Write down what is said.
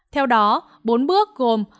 theo đó bốn bước gồm